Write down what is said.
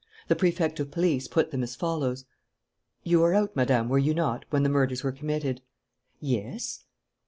The Prefect of Police put them as follows: "You were out, Madame, were you not, when the murders were committed?" "Yes."